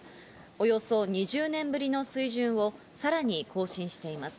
およそ２０年ぶりの水準をさらに更新しています。